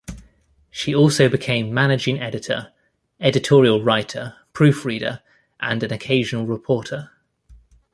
She also became managing editor, editorial writer, proof reader and an occasional reporter.